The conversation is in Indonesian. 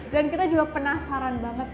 dan kita juga penasaran banget nih